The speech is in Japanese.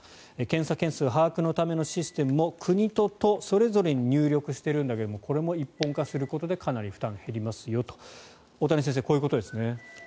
検査件数把握のためのシステムも国と都それぞれに入力しているんだけどもこれも一本化することでかなり負担が減りますよと大谷先生、こういうことですね。